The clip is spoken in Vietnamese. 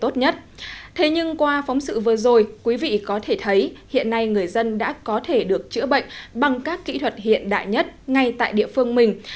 thế nhưng qua phóng sự vừa rồi quý vị có thể thấy hiện nay người dân đã có thể được chữa bệnh bằng các kỹ thuật hiện đại nhất ngay tại địa phương mình